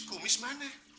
nah si kumis mana